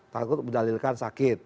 takut berdalilkan sakit